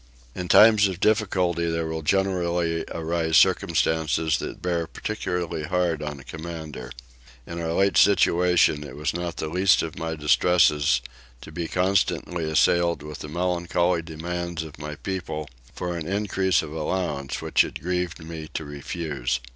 In times of difficulty there will generally arise circumstances that bear particularly hard on a commander. In our late situation it was not the least of my distresses to be constantly assailed with the melancholy demands of my people for an increase of allowance which it grieved me to refuse.